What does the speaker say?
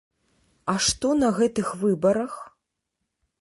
А што на гэтых выбарах?